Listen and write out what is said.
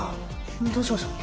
どうしましょう？